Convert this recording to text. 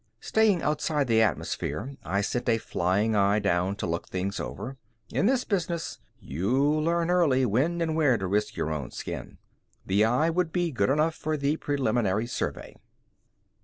Staying outside the atmosphere, I sent a flying eye down to look things over. In this business, you learn early when and where to risk your own skin. The eye would be good enough for the preliminary survey.